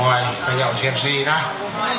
เท่านี้ก็นั่งรากทาน